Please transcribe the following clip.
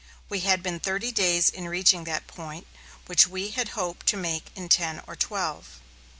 We had been thirty days in reaching that point, which we had hoped to make in ten or twelve.